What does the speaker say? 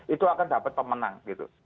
itu akan dapat pemenang gitu